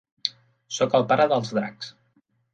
Soc el pare dels dracs.